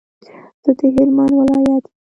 زه د هلمند ولایت یم.